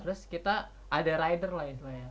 terus kita ada rider lah istilahnya